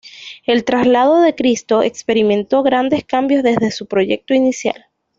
El "Traslado de Cristo" experimentó grandes cambios desde su proyecto inicial.